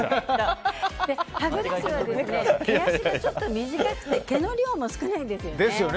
歯ブラシは毛足がちょっと短くて毛の量も少ないんですよね。